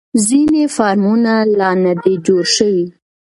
ځینې فارمونه لا نه دي جوړ شوي.